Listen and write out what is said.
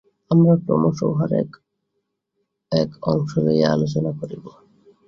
আমরা ক্রমশ উহার এক এক অংশ লইয়া আলোচনা করিব।